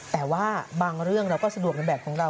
แต่ว่าบางเรื่องเราก็สะดวกในแบบของเรา